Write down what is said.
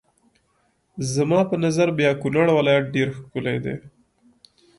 زما په نظر بیا کونړ ولایت ډېر ښکلی دی.